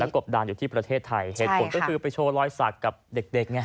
กบดานอยู่ที่ประเทศไทยเหตุผลก็คือไปโชว์รอยสักกับเด็กเด็กไง